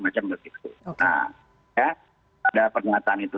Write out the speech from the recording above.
nah ada pernyataan itu